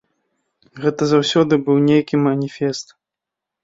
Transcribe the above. Гэта заўсёды быў нейкі маніфест.